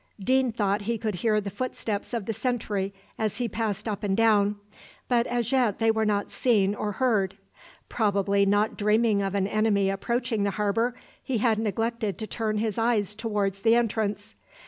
Deane thought he could hear the footsteps of the sentry as he passed up and down; but as yet they were not seen or heard. Probably not dreaming of an enemy approaching the harbour, he had neglected to turn his eyes down towards the entrance.